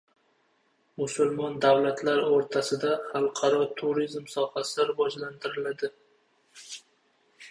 Musulmon davlatlar o‘rtasida xalqaro turizm sohasi rivojlantiriladi